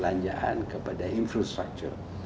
dan kita juga memperbaiki infrastruktur